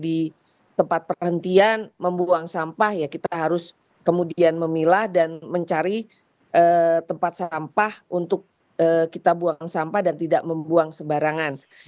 di tempat perhentian membuang sampah ya kita harus kemudian memilah dan mencari tempat sampah untuk kita buang sampah dan tidak membuang sebarangan